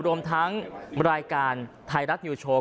รวมทั้งรายการไทยรัฐนิวโชว์